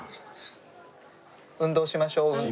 運動しましょう運動。